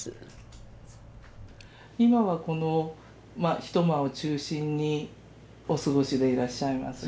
今はこの一間を中心にお過ごしでいらっしゃいます。